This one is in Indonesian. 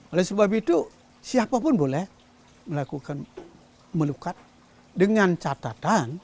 oleh sebab itu siapapun boleh melakukan melukat dengan catatan